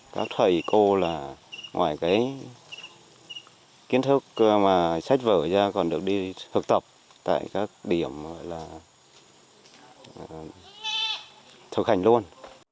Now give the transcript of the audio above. các thầy cô là ngoài cái kiến thức mà sách vở ra còn được đi thực tập tại các điểm là thực hành luôn